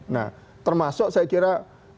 nah termasuk saya kira